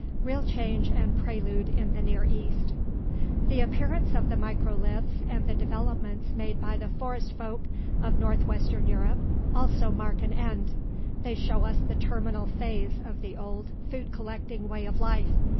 REAL CHANGE AND PRELUDE IN THE NEAR EAST The appearance of the microliths and the developments made by the "Forest folk" of northwestern Europe also mark an end. They show us the terminal phase of the old food collecting way of life.